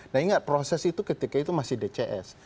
nah ingat proses itu ketika itu masih dcs